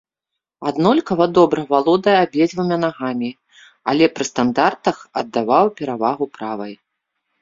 Аднолькава добра валодае абедзвюма нагамі, але пры стандартах аддаваў перавагу правай.